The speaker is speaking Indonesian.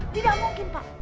tidak mungkin pak